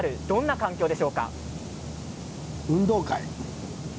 運動会。